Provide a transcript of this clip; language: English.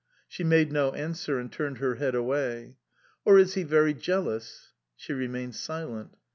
She made no answer and turned her head away. "Or is he very jealous?" She remained silent.